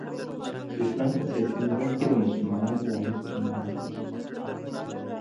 د اسلام په سیاسي نظام کښي د مسلمانانو واحد جماعت يي.